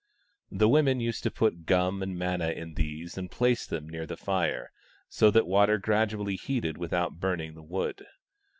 The women used to put gum and manna in these and place them near the fire, so that the water gradually heated without burning the wood.